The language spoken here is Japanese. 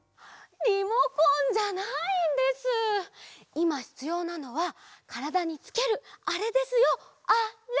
いまひつようなのはからだにつけるあれですよあれ！